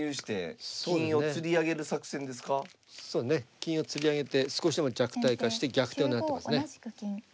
金をつり上げて少しでも弱体化して逆転を狙ってますね。